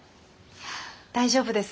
大丈夫です。